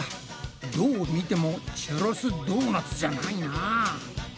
どう見てもチュロスドーナツじゃないな。